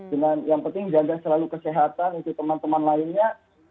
dengan yang penting jaga selalu kesehatan untuk teman teman lainnya